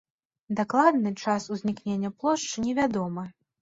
Дакладны час узнікнення плошчы невядомы.